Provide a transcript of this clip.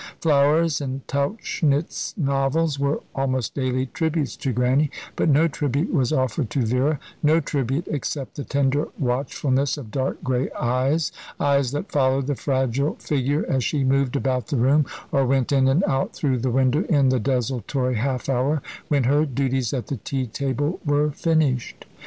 Flowers and Tauchnitz novels were almost daily tributes to Grannie; but no tribute was offered to Vera, no tribute except the tender watchfulness of dark grey eyes, eyes that followed the fragile figure as she moved about the room, or went in and out through the window in the desultory half hour when her duties at the tea table were finished.